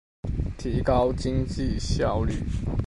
提高經營效率